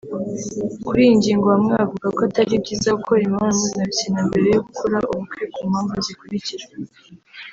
Kuri iyi ngingo bamwe bavuga ko atari byiza gukora imibonano mpuzabitsina mbere yo gukora ubukwe ku mpamvu zikurikira